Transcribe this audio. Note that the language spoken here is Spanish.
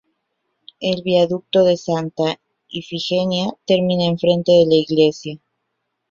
El viaducto de Santa Ifigenia termina en frente de la iglesia.